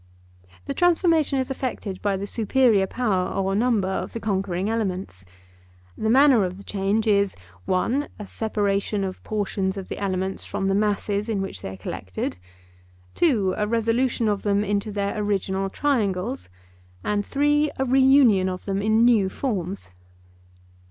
The transformation is effected by the superior power or number of the conquering elements. The manner of the change is (1) a separation of portions of the elements from the masses in which they are collected; (2) a resolution of them into their original triangles; and (3) a reunion of them in new forms.